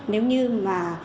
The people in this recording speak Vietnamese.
nếu như mà